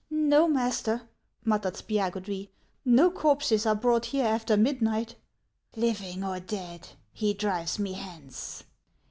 " No, master," muttered Spiagudry, " no corpses are brought here after midnight." " Living or dead, he drives me hence.